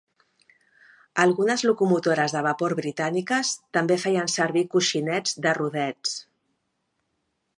Algunes locomotores de vapor britàniques també feien servir coixinets de rodets.